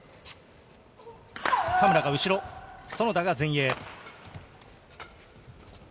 嘉村が後ろ、園田が前衛。